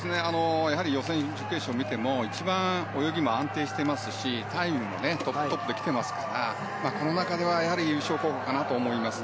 予選、準決勝を見ても一番泳ぎも安定していますしタイムもトップできていますからこの中では優勝候補かなと思います。